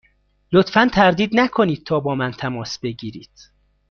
لطفا تردید نکنید تا با من تماس بگیرید.